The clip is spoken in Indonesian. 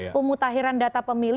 pemutahiran data pemilih